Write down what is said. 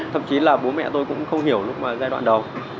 thậm chí là bố mẹ tôi cũng không hiểu lúc giai đoạn đầu